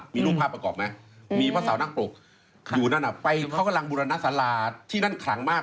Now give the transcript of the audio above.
มีรูปภาพประกอบไหมมีพระสาวนักปรกอยู่นั่นเขากำลังบุรณสาราที่นั่นขลังมาก